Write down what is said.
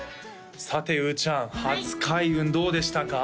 さてうーちゃん初開運どうでしたか？